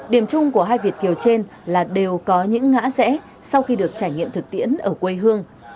điểm chung của hai việt kiều trên là đều có những ngã rẽ sau khi được trải nghiệm thực tiễn ở quê hương